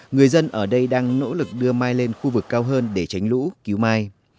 người dân ở đây đang nỗ lực đưa mai lên khu vực cao hơn để tránh lũ cứu mai